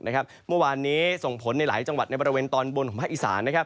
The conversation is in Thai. เมื่อวานนี้ส่งผลในหลายจังหวัดในบริเวณตอนบนของภาคอีสาน